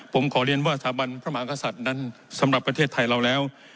ผมขอเรียนว่าสถาบันพระมหากษัตริย์นั้นสำหรับประเทศไทยเราแล้ว